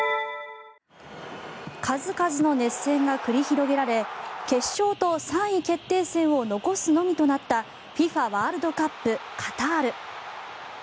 数々の熱戦が繰り広げられ決勝と３位決定戦を残すのみとなったＦＩＦＡワールドカップカタール。